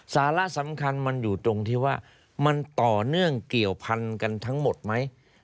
สาระสำคัญมันอยู่ตรงที่ว่ามันต่อเนื่องเกี่ยวพันกันทั้งหมดไหม